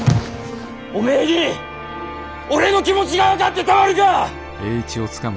おめぇに俺の気持ちが分かってたまるか！